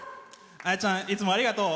あやちゃん、いつもありがとう。